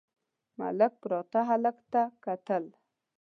ملک پراته هلک ته کتل….